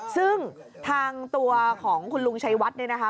ซึ่งทางตัวของคุณลุงชัยวัดเนี่ยนะคะ